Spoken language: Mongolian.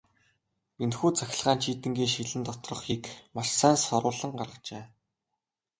Энэхүү цахилгаан чийдэнгийн шилэн доторх хийг маш сайн соруулан гаргажээ.